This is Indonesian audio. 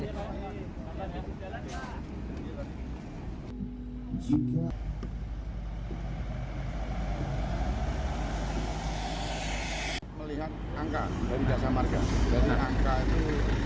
pada saat ini pemerintah melihat angka dari jasa marga